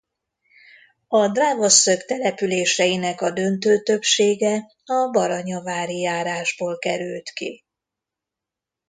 A Drávaszög településeinek a döntő többsége a Baranyavári járásból került ki.